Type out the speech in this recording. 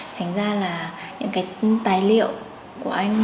thành ra là những cái tài liệu của anh